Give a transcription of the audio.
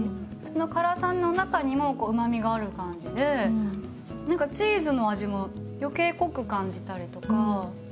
その辛さの中にもうまみがある感じで何かチーズの味も余計濃く感じたりとか。